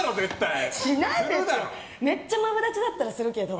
めっちゃマブダチだったらするけど。